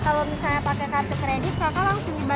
kalau misalnya pakai kartu kredit kakak langsung dibagi tenor aja